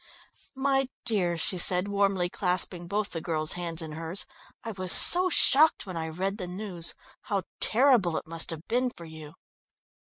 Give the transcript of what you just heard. "My dear," she said, warmly clasping both the girl's hands in hers, "I was so shocked when I read the news! How terrible it must have been for you."